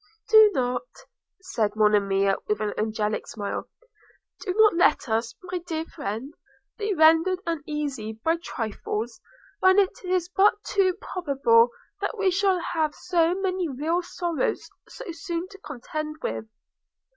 'Do not,' said Monimia with an angelic smile – 'do not let us, my dear friend, be rendered uneasy by trifles, when it is but too probable that we shall have so many real sorrows so soon to contend with.